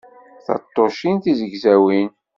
Taṭṭucin tizegzawin.